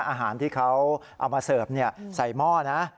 อาหารที่เขาเอามาเสิร์ฟใส่หม้อนะ